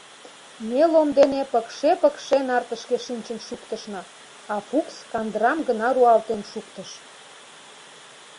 Ме Лом дене пыкше-пыкше нартышке шинчын шуктышна, а Фукс кандырам гына руалтен шуктыш.